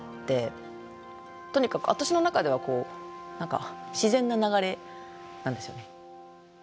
とにかく私の中では何か自然な流れなんですよね。